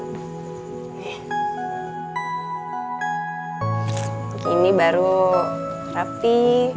begini baru rapi